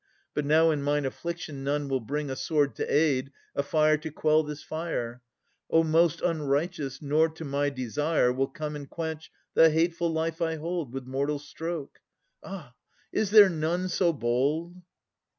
Yet now in mine affliction none will bring A sword to aid, a fire to quell this fire, O most unrighteous! nor to my desire Will come and quench the hateful life I hold With mortal stroke! Ah! is there none so bold?